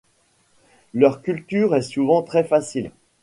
Leur culture est souvent très facile.